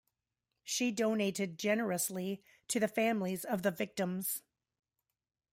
She donated generously to the families of the victims.